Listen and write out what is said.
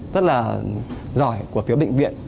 rất là giỏi của phía bệnh viện